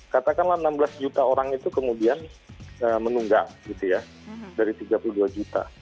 katakanlah enam belas juta orang itu kemudian menunggang gitu ya dari tiga puluh dua juta